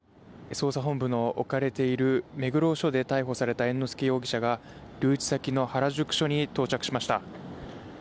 捜査本部の置かれている目黒署で逮捕された猿之助容疑者が、留置先の原宿署に到着しました。